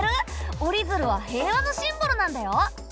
折りづるは平和のシンボルなんだよ。